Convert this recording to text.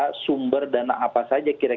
tetep juga sumber dana apa saja kira kira yang dibuat